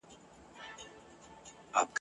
د زمري د مشکلاتو سلاکار وو !.